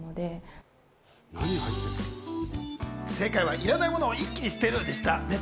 正解は、いらないものを一気に捨てるでした。